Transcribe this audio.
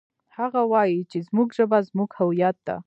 هغه وایي چې زموږ ژبه زموږ هویت ده